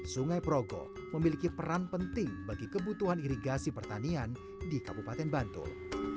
sungai progo memiliki peran penting bagi kebutuhan irigasi pertanian di kabupaten bantul